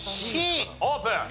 Ｃオープン！